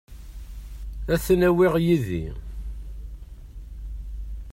Ad ten-awiɣ yid-i.